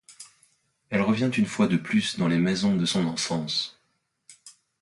Elle revient une fois de plus dans les maisons de son enfance.